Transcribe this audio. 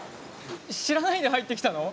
知らないで入ってきたの？